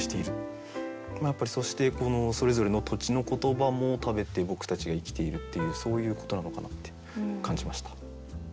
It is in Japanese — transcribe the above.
やっぱりそしてこのそれぞれの土地の言葉も食べて僕たちが生きているっていうそういうことなのかなって感じました。